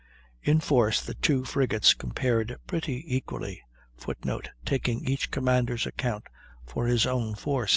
In force the two frigates compared pretty equally, [Footnote: Taking each commander's account for his own force.